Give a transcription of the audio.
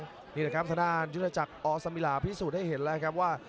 นี่แหละครับทางด้านยุทธจักรอสมิลาพิสูจน์ให้เห็นแล้วครับว่า